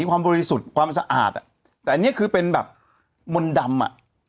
บริสุทธิ์ความสะอาดอ่ะแต่อันนี้คือเป็นแบบมนต์ดำอ่ะ